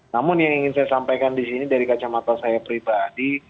namun yang ingin saya sampaikan di sini dari kacamata saya pribadi